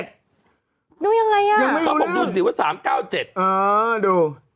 ดูยังไงอ่ะยังไม่รู้เลยว่า๓๙๗เออดู